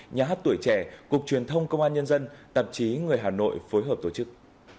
nhà hát tuổi trẻ cục truyền thông công an nhân dân tạp chí người hà nội phối hợp tổ chức